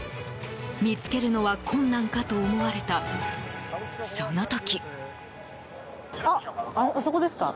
見つけるのは困難かと思われたその時。